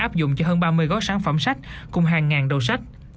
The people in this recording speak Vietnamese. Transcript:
áp dụng cho hơn ba mươi gói sản phẩm sách cùng hàng ngàn đầu sách